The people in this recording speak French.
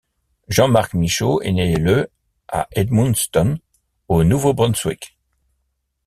Jean-Marc Michaud est né le à Edmundston, au Nouveau-Brunswick.